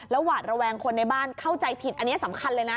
หวาดระแวงคนในบ้านเข้าใจผิดอันนี้สำคัญเลยนะ